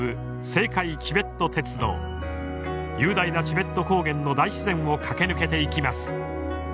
雄大なチベット高原の大自然を駆け抜けていきます。